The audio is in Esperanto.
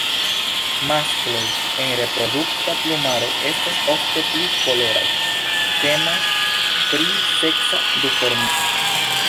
Maskloj en reprodukta plumaro estas ofte pli koloraj; temas pri seksa duformismo.